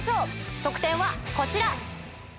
得点はこちら。